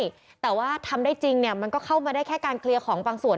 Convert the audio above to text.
ใช่แต่ว่าทำได้จริงเนี่ยมันก็เข้ามาได้แค่การเคลียร์ของบางส่วน